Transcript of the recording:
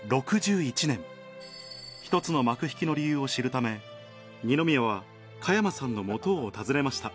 ６１年一つの幕引きの理由を知るため二宮は加山さんの元を訪ねました